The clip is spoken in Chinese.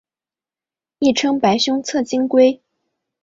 亦称白胸侧颈龟。